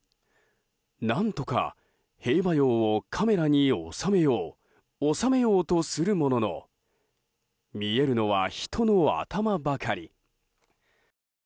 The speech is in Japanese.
何とか兵馬俑をカメラに収めよう収めようとするものの見えるのは人の頭ばかり。